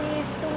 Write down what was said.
nah ini bagaimana